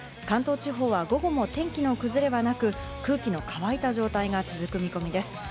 関東地方は午後も天気の崩れはなく、空気の乾いた状態が続く見込みです。